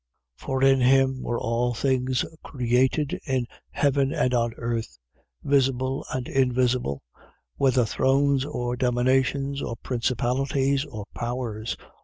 For in him were all things created in heaven and on earth, visible and invisible, whether thrones, or dominations, or principalities, or powers.